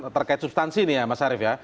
terkait substansi ini ya mas arief ya